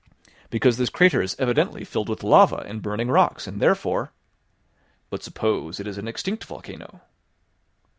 "Because this crater is evidently filled with lava and burning rocks, and therefore " "But suppose it is an extinct volcano?"